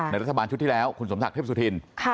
รัฐบาลชุดที่แล้วคุณสมศักดิ์เทพสุธิน